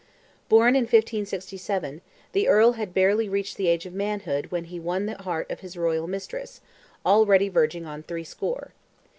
Born in 1567, the Earl had barely reached the age of manhood when he won the heart of his royal mistress, already verging on threescore.